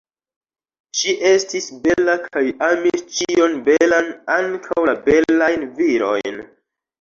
Ŝi estis bela kaj amis ĉion belan, ankaŭ la belajn virojn.